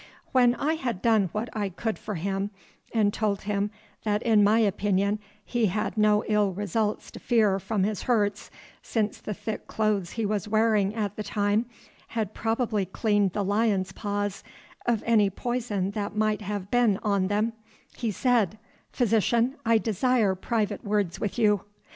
When I had done what I could for him and told him that in my opinion he had no ill results to fear from his hurts, since the thick clothes he was wearing at the time had probably cleaned the lion's paws of any poison that might have been on them, he said, "Physician, I desire private words with you."